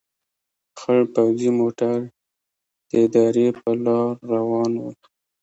خړ پوځي موټر د درې په لار روان ول.